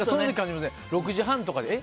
６時半とかでえ？